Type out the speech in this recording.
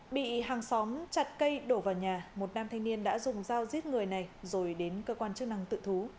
bị hàng xóm chặt cây đổ vào nhà một nam thanh niên đã dùng dao giết người này rồi đến cơ quan chức năng tự thú